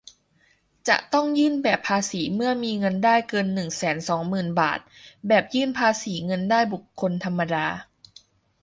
จะต้องยื่นแบบภาษีเมื่อมีเงินได้เกิน หนึ่งแสนสองหมื่น บาท แบบยื่นภาษีเงินได้บุคคลธรรมดา